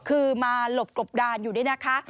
คือมาหลบกบดานอยู่นี่นะคะ